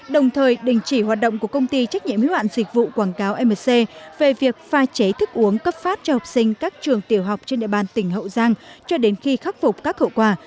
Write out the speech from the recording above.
đồng thời đình chỉ hoạt động của công ty trách nhiệm hữu hạn dịch vụ quảng cáo mc về việc pha chế thức uống cấp phát cho học sinh các trường tiểu học trên địa bàn tỉnh hậu giang cho đến khi khắc phục các hậu quả